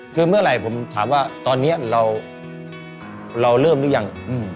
คือเมื่อไหร่ผมถามว่าตอนนี้เราเริ่มหรือยัง